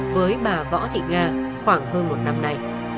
với bà võ thị nga khoảng hơn một năm nay